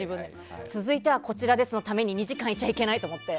続いてはこちらですのために２時間いちゃいけないと思って。